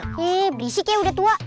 hee berisik ya udah tua